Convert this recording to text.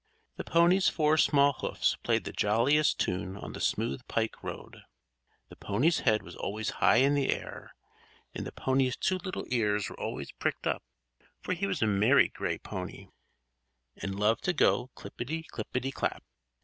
The pony's four small hoofs played the jolliest tune on the smooth pike road, the pony's head was always high in the air, and the pony's two little ears were always pricked up; for he was a merry gray pony, and loved to go clippety, clippety, clap!